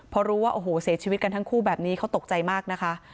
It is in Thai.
พอรู้ว่าโอ้โหเสียชีวิตกันทั้งคู่แบบนี้เขาตกใจมากนะคะ